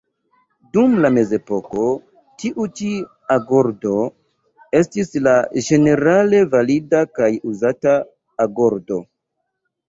Dum la mezepoko tiu ĉi agordo estis la ĝenerale valida kaj uzata agordo.